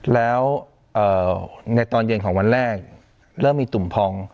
แล้วในตอนเย็นของวันแรกเริ่มมีตุ่มพอง